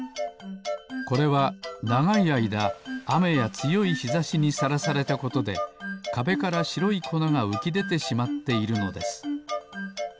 これはながいあいだあめやつよいひざしにさらされたことでかべからしろいこながうきでてしまっているのです。